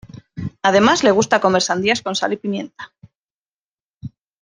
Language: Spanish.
Además le gusta comer sandías con sal y pimienta